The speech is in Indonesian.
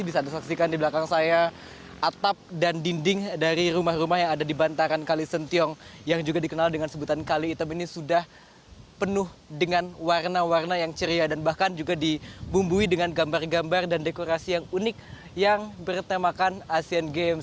bisa anda saksikan di belakang saya atap dan dinding dari rumah rumah yang ada di bantaran kalisentiong yang juga dikenal dengan sebutan kali item ini sudah penuh dengan warna warna yang ceria dan bahkan juga dibumbui dengan gambar gambar dan dekorasi yang unik yang bertemakan asian games